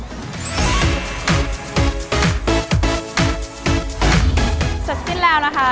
เสร็จสิ้นแล้วนะคะ